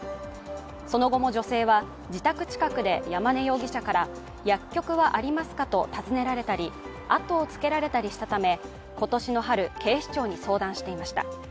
その後も女性は自宅近くで山根容疑者から薬局はありますかと訪ねられたりあとをつけられたりしたため、今年の春、警視庁に相談していました。